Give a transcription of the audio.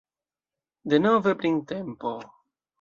Denove printempo!..